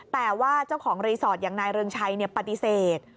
แต่ว่าเจ้าของรีสอร์ทอย่างนายเรืองชัยปฏิเสธ